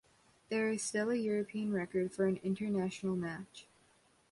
This is still a European record for an international match.